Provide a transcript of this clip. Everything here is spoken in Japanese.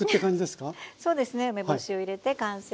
そうですね梅干しを入れて完成です。